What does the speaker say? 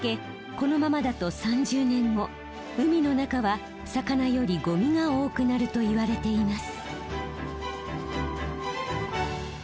このままだと３０年後海の中は魚よりゴミが多くなるといわれています。